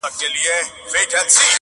o څه پروین د نیمي شپې څه سپین سبا دی,